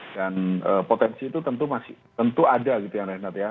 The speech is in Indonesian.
dan potensi itu tentu masih tentu ada gitu ya renat ya